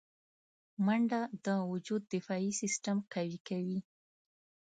منډه د وجود دفاعي سیستم قوي کوي